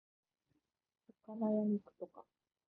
魚や肉とか